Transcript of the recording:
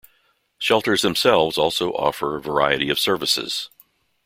Shelters themselves also offer a variety of services.